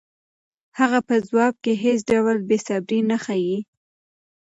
هغه په ځواب کې هېڅ ډول بېصبري نه ښيي.